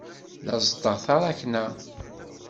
La ẓeṭṭeɣ taṛakna.